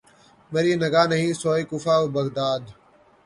مری نگاہ نہیں سوئے کوفہ و بغداد